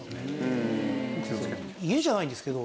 家じゃないんですけど。